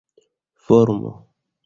formo